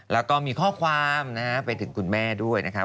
แล้วก็มีข้อความนะฮะไปถึงคุณแม่ด้วยนะคะ